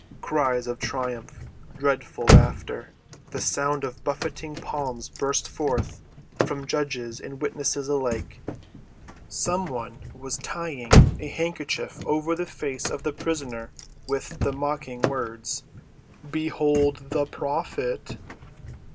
Cries of triumph, dreadful laughter, the sound of buffeting palms burst forth from judges and witnesses alike. Some one was tying a handkerchief over the face of the prisoner with the mocking words, "Behold the Prophet!"